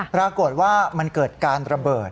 ปรากฏว่ามันเกิดการระเบิด